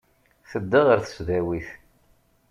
Tedda ɣer tesdawit.